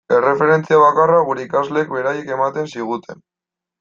Erreferentzia bakarra gure ikasleek beraiek ematen ziguten.